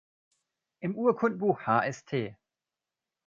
Im Urkundenbuch Hst.